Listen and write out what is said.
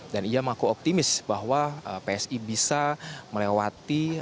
dan ia mengaku optimis bahwa psi bisa melewati